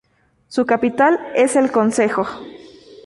Su capital es El Consejo.